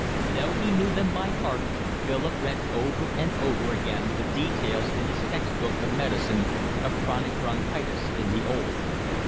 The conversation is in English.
Though he knew them by heart Philip read over and over again the details in his text book of medicine of chronic bronchitis in the old.